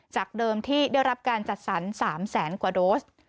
จากเดิมที่ได้รับการจัดสรร๓แสนกว่าโดส